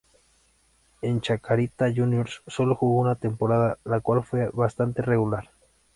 En Chacarita Juniors solo jugó una temporada la cual fue bastante regular.